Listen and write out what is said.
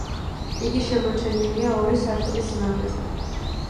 იგი შემორჩენილია ორი სართულის სიმაღლეზე.